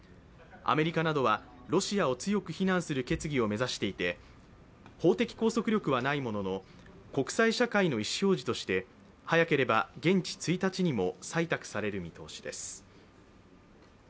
アメリカなどは、ロシアを強く非難する決議を目指していて法的拘束力はないものの、国際社会の意思表示として早ければ現地１日にも採択される見通しです。